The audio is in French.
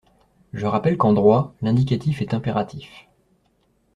Je rappelle qu’en droit, l’indicatif est impératif.